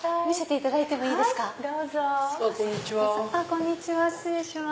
こんにちは失礼します。